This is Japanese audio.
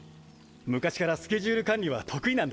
昔からスケジュール管理は得意なんだ。